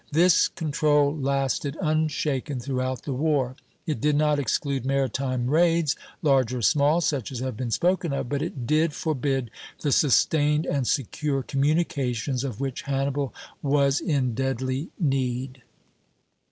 This control lasted, unshaken, throughout the war. It did not exclude maritime raids, large or small, such as have been spoken of; but it did forbid the sustained and secure communications of which Hannibal was in deadly need.